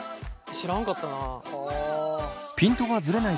知らなかったな。